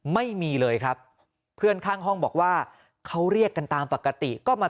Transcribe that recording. ไม่มีเลยครับเพื่อนข้างห้องบอกว่าเขาเรียกกันตามปกติก็มา